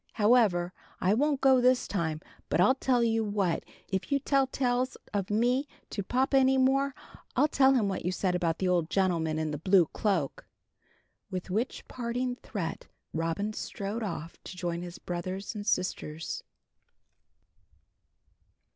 However, I won't go this time; but I'll tell you what if you tell tales of me to papa any more, I'll tell him what you said about the old gentleman in the blue cloak." With which parting threat Robin strode off to join his brothers and sisters.